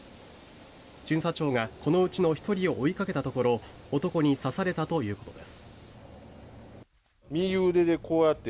巡査長が、このうちの１人を追いかけたところ男に刺されたということです。